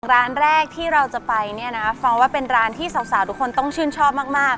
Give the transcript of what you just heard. ร้านแรกที่เราจะไปเนี่ยนะฟองว่าเป็นร้านที่สาวทุกคนต้องชื่นชอบมาก